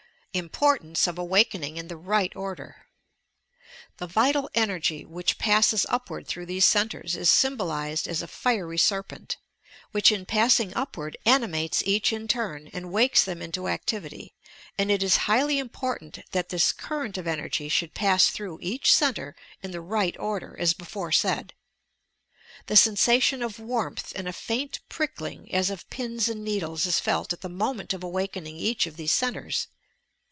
IMPOKTANCE OF AWAKENING IN THE EIGHT ORDER The Vital Energy which passes upward through these centres is symbolized as a Fiery Serpent which, in pass ing upward, animates each in turn, and wakes them into activity, and it is highly important that this current of ADVANCED STUDIES 353 energy should pass through each centre in the right order, as before said. The scDsation of warmth aud a faint pritliling as of "pina and needles" is felt at the moment of awakening each of these centres.